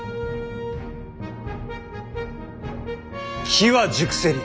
機は熟せり。